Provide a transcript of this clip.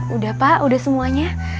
udah pak udah semuanya